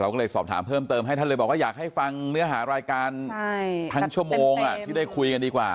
ก็เลยสอบถามเพิ่มเติมให้ท่านเลยบอกว่าอยากให้ฟังเนื้อหารายการทั้งชั่วโมงที่ได้คุยกันดีกว่า